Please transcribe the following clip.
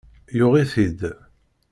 Yuɣ-it-id.